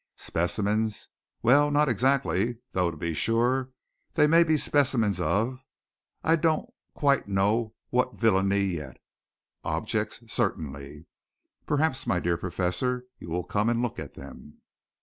Specimens? Well, not exactly; though, to be sure, they may be specimens of I don't quite know what villainy yet. Objects? certainly! Perhaps, my dear Professor, you will come and look at them."